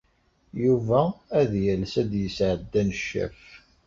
Yuba ad yales ad d-yesɛeddi aneccaf.